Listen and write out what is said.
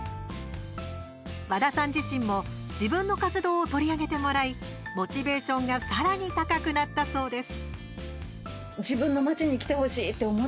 和田さん自身も自分の活動を取り上げてもらいモチベーションがさらに高くなったそうです。